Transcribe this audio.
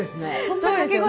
そうですね。